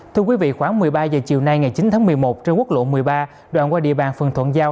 thưa quý vị khoảng một mươi ba h chiều nay ngày chín tháng một mươi một trên quốc lộ một mươi ba đoạn qua địa bàn phường thuận giao